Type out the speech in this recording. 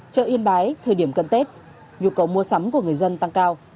chợ yên bái thời điểm cận tết nhu cầu mua sắm của người dân tăng cao